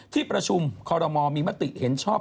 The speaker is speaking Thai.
ที่ประชุมคอรมอลมีมติเห็นชอบ